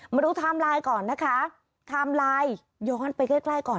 ไทม์ไลน์ก่อนนะคะไทม์ไลน์ย้อนไปใกล้ใกล้ก่อน